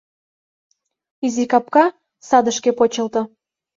Изи капка садышке почылто.